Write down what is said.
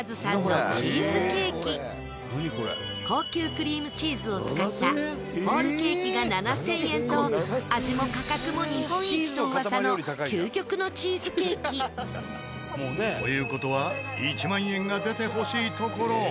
高級クリームチーズを使ったホールケーキが７０００円と味も価格も日本一と噂の究極のチーズケーキ。という事は１万円が出てほしいところ。